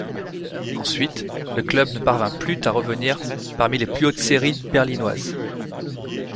Ensuite, le club ne parvint plus à revenir parmi les plus hautes séries berlinoises.